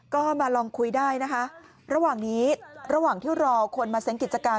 ก็มาลองคุยได้นะคะระหว่างนี้ระหว่างที่รอคนมาเซ้งกิจการ